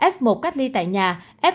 f một cách ly tại nhà f điều trị